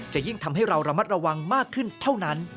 จะยิ่งทำให้เราระมัดระวังมากขึ้นเท่านั้น